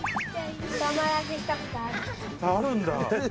あるんだ。